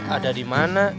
ada di mana